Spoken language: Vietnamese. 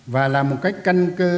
và làm một cách căn cơ